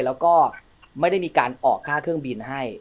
แล้วก็ไม่ได้มีการออกค่าเครื่องบินให้